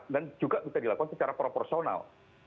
dan juga bisa dilakukan secara proporsional